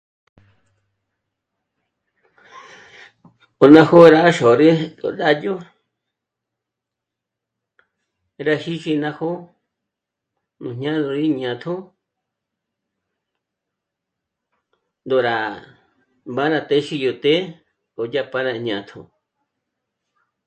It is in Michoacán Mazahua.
Po ná jó'o rá xôrü k'o rá dyò'o rá jíji ná jó'o nù jñá'a d'o'o 'í jñátjo ndó rá mbára téxi yo të́'ë k'odyá para jñátjo